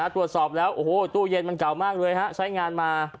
ตรวจสอบแล้วโอ้โหตู้เย็นมันเก่ามากเลยฮะใช้งานมา